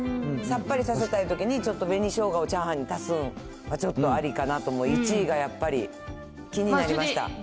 さっぱりさせたいときに、ちょっと紅しょうがをチャーハンに足すん、ちょっとありかなとも、１位がやっぱり気になりました。